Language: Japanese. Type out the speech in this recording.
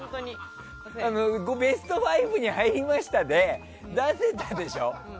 ベスト５に入りましたで出せたでしょ。